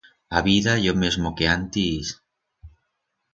A vida ye o mesmo que antis...